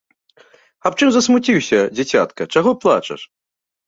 Аб чым засмуціўся, дзіцятка, чаго плачаш?